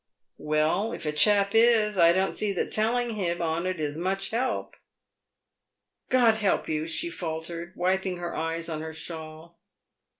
" "Well, if a chap is, I don't see that telling him on it is much help." " God help you !" she faltered, wiping her eyes on her shawl.